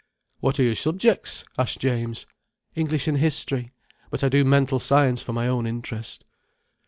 "What are your subjects?" asked James. "English and History. But I do mental science for my own interest."